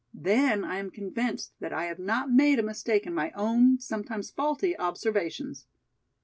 Then I am convinced that I have not made a mistake in my own sometimes faulty observations."